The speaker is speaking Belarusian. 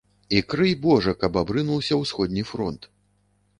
І крый божа, каб абрынуўся ўсходні фронт.